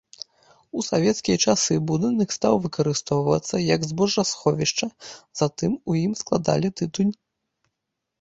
У савецкія часы будынак стаў выкарыстоўвацца як збожжасховішча, затым у ім складалі тытунь.